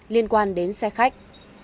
liên quan đến xe khách